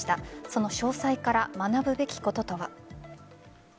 その詳細から学ぶべきこととは。